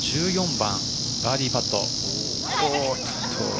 １４番バーディーパット。